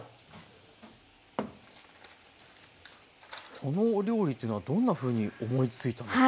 このお料理っていうのはどんなふうに思いついたんですか？